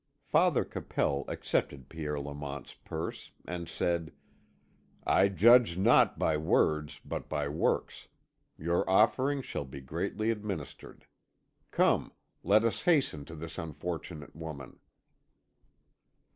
Father Capel accepted Pierre Lamont's purse, and said: "I judge not by words, but by works; your offering shall be justly administered. Come, let us hasten to this unfortunate woman."